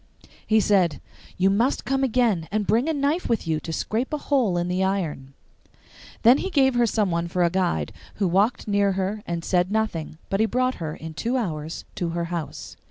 He said, 'You must come again, and bring a knife with you to scrape a hole in the iron.' Then he gave her someone for a guide, who walked near her and said nothing, but he brought her in two hours to her house.